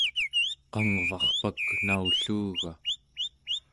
qangvarpak naulluuga?